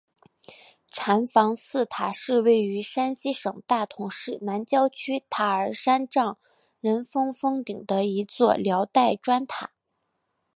禅房寺塔是位于山西省大同市南郊区塔儿山丈人峰峰顶的一座辽代砖塔。